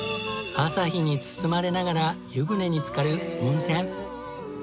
朝日に包まれながら湯船につかる温泉。